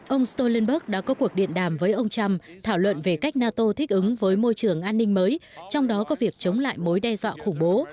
ông stolenberg đã có cuộc điện đàm với ông trump thảo luận về cách nato thích ứng với môi trường an ninh mới trong đó có việc chống lại mối đe dọa khủng bố